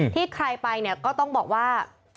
ที่ใครไปก็ต้องบอกว่า